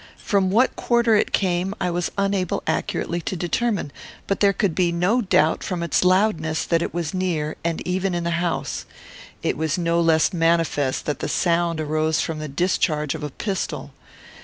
From what quarter it came, I was unable accurately to determine; but there could be no doubt, from its loudness, that it was near, and even in the house. It was no less manifest that the sound arose from the discharge of a pistol.